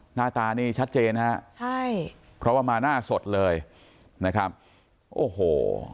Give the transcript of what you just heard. หน้าตานี่ชัดเจนฮะใช่เพราะว่ามาหน้าสดเลยนะครับโอ้โห